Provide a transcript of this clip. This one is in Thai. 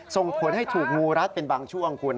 ส่งผลให้ถูกงูรัดเป็นบางช่วงคุณ